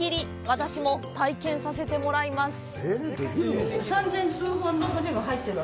私も体験させてもらいます。